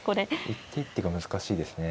一手一手が難しいですね。